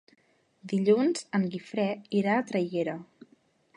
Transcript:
Dilluns en Guifré irà a Traiguera.